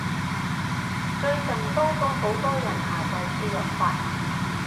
最近多咗好多人下載輸入法